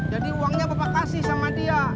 jadi uangnya bapak kasih sama dia